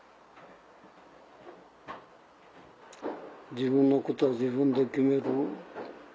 自分のことは自分で決める。